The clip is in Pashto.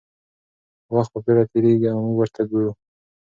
وخت په بېړه تېرېږي او موږ ورته ګورو.